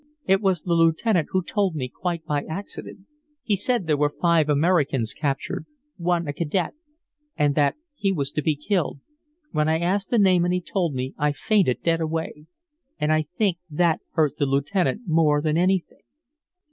"It was the lieutenant who told me, quite by accident. He said there were five Americans captured, one a cadet, and that he was to be killed. When I asked the name and he told me, I fainted dead away. And I think that hurt the lieutenant more than anything."